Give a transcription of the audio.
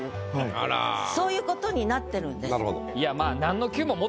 そういうことになってるんです。